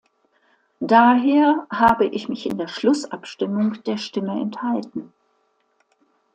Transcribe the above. Daher habe ich mich in der Schlussabstimmung der Stimme enthalten.